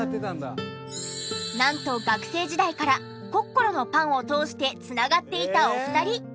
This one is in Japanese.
なんと学生時代からコッコロのパンを通して繋がっていたお二人。